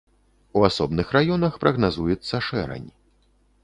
У асобных раёнах прагназуецца шэрань.